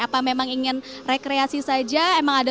apa memang ingin rekreasi saja